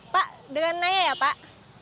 pak dengan naya ya pak